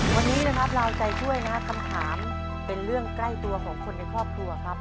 วันนี้นะครับเราใจช่วยนะครับคำถามเป็นเรื่องใกล้ตัวของคนในครอบครัวครับ